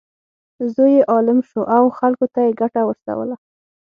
زوی یې عالم شو او خلکو ته یې ګټه ورسوله.